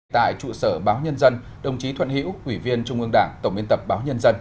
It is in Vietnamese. tại trụ sở báo nhân dân đồng chí thuận hiễu quỷ viên trung ương đảng tổng biên tập báo nhân dân